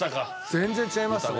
全然違いますね。